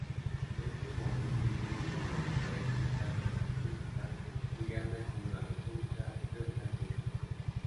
Este movimiento tiene como referentes tanto la República Juliana como la República Riograndense.